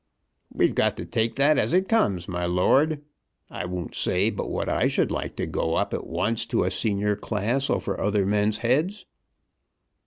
"We've got to take that as it comes, my lord. I won't say but what I should like to go up at once to a senior class over other men's heads.